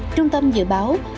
trung tâm dự báo